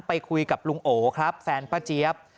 ไปคุยกับลุงโอครับแฟนป้าเจี๊ยบ